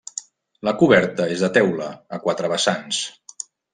La coberta és de teula, a quatre vessants.